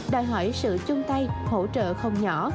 đòi hỏi sự chung tay hỗ trợ không nhỏ